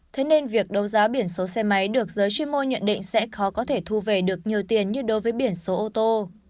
thế nên việc đấu giá biển số xe máy được giới chuyên môn nhận định sẽ khó có thể thu về được nhiều tiền như đối với biển số ô tô